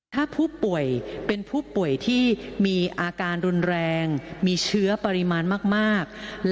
ถ้าผู้ป่วยเป็นผู้ป่วยที่มีอาการรุนแรงมีเชื้อปริมาณมาก